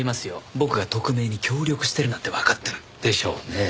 僕が特命に協力してるなんてわかったら。でしょうねぇ。